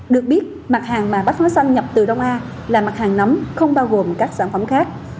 được biết mặt hàng mà bát hóa xanh nhập từ đông a là mặt hàng nấm không bao gồm các sản phẩm khác